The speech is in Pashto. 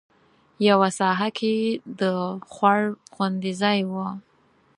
یوه ساحه کې د خوړ غوندې ځای و.